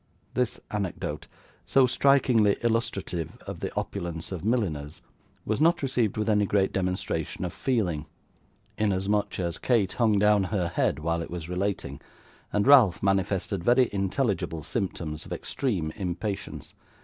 This anecdote, so strikingly illustrative of the opulence of milliners, was not received with any great demonstration of feeling, inasmuch as Kate hung down her head while it was relating, and Ralph manifested very intelligible symptoms of extreme impatience.